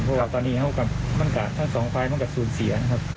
เพราะว่าตอนนี้มันกับทั้งสองภายมันกับสูญเสียครับ